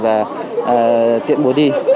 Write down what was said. và tiện bố đi